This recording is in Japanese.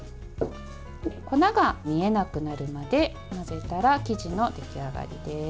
粉が見えなくなるまで混ぜたら生地の出来上がりです。